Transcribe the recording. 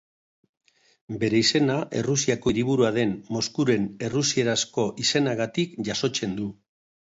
Bere izena Errusiako hiriburua den Moskuren errusierazko izenagatik jasotzen du.